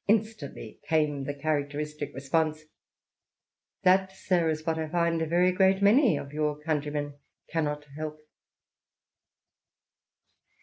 " Instantly came the characteristic response^ '•That, sir, I find is what a very great many of your countrymen cannot help."